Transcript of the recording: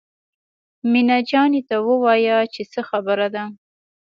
مينه جانې ته ووايه چې څه خبره ده.